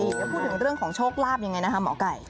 ไปพูดถึงเรื่องของโชคลาบยังไงนะฮะหมอไก่